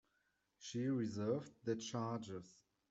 She reversed the charges.